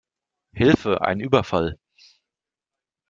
Hilfe ein Überfall!